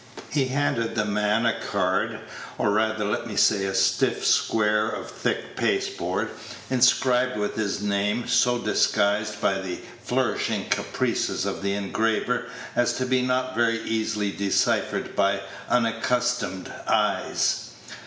He handed the man a card, or rather let me say a stiff square of thick pasteboard, inscribed with his name, so disguised by the flourishing caprices of the engraver as to be not very easily deciphered by unaccustomed eyes.